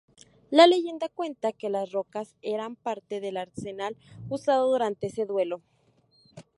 La leyenda cuenta que las rocas eran parte del arsenal usado durante ese duelo.